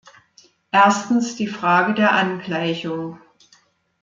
Erstens die Frage der Angleichung.